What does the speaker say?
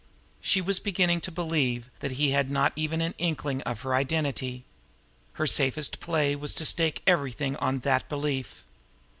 She was beginning to believe that he had not even an inkling of her identity. Her safest play was to stake everything on that belief.